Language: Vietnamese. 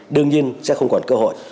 đương nhiên sẽ không còn cơ hội